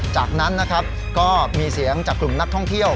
จากนั้นนะครับก็มีเสียงจากกลุ่มนักท่องเที่ยว